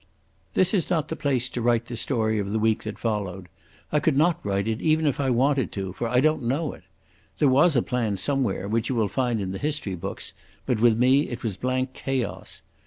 This is not the place to write the story of the week that followed. I could not write it even if I wanted to, for I don't know it. There was a plan somewhere, which you will find in the history books, but with me it was blank chaos.